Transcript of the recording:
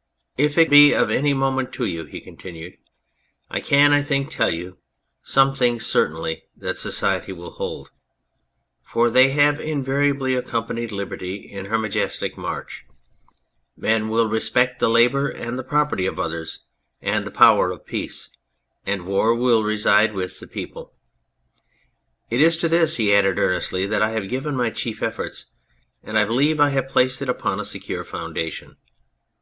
" If it be of any moment to you," he continued, " I can, I think, tell you some things certainly that society will hold. For they have invariably accom panied liberty in her majestic march. Men will respect the labour and the property of others, and the power of peace and war will reside with the people. It is to this," he added earnestly, "that I have given my chief efforts, and I believe I have placed it upon a secure foundation.